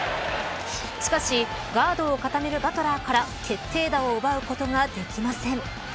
しかしガードを固めるバトラーから決定打を奪うことができません。